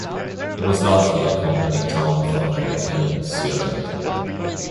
It was largely a company town for American Cyanamid.